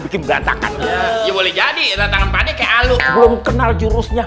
belum kenal jurusnya